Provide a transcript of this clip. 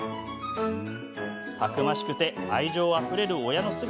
たくましくて愛情あふれる親の姿。